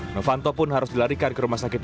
novanto pun harus dilarikan ke rumah sakit